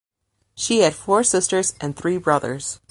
She had four sisters and three brothers.